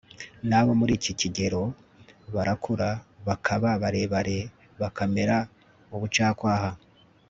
na bo muri iki kigero barakura bakaba barebare, bakamera ubucakwaha